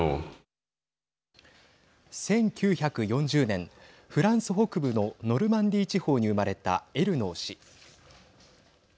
１９４０年、フランス北部のノルマンディー地方に生まれたエルノー氏。